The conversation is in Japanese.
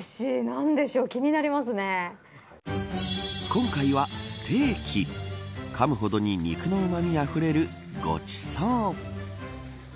今回はステーキ噛むほどに肉のうまみがあふれるごちそう。